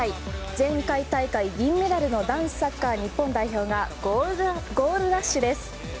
前回大会銀メダルの男子サッカー日本代表がゴールラッシュです。